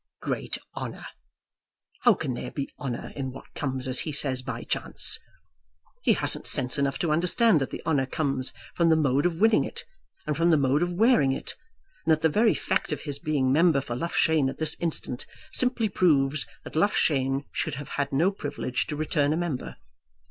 "Great honour! How can there be honour in what comes, as he says, by chance? He hasn't sense enough to understand that the honour comes from the mode of winning it, and from the mode of wearing it; and that the very fact of his being member for Loughshane at this instant simply proves that Loughshane should have had no privilege to return a member!